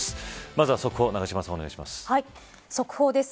まずは速報、永島さんお願いします。